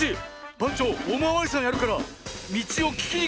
ばんちょうおまわりさんやるからみちをききにきてごらん。